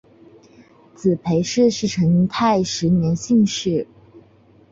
子裴栻是成泰十年进士。